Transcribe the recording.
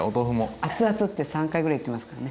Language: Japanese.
あつあつって３回ぐらい言ってますからね。